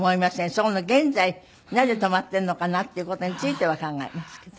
そこの現在なぜ止まっているのかなっていう事については考えますけど。